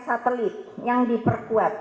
satelit yang diperkuat